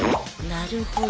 なるほど。